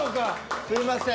すいません。